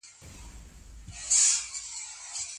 ولي هوډمن سړی د ذهین سړي په پرتله خنډونه ماتوي؟